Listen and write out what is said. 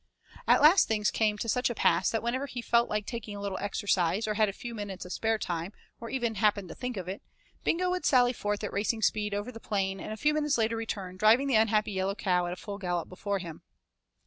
At last things came to such a pass that whenever he felt like taking a little exercise, or had a few minutes of spare time, or even happened to think of it, Bingo would sally forth at racing speed over the plain and a few minutes later return, driving the unhappy yellow cow at full gallop before him.